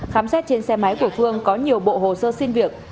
khám xét trên xe máy của phương có nhiều bộ hồ sơ xin việc